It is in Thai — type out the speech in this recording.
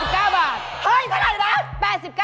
เฮ้ยขนาดนั้น